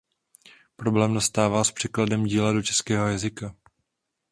Problém nastává s překladem díla do českého jazyka.